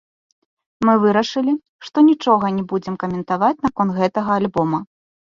Мы вырашылі, што нічога не будзем каментаваць наконт гэтага альбома.